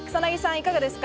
いかがですか？